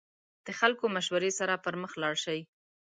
د خلکو مشورې سره پرمخ لاړ شئ.